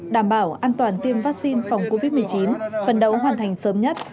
đảm bảo an toàn tiêm vaccine phòng covid một mươi chín phần đấu hoàn thành sớm nhất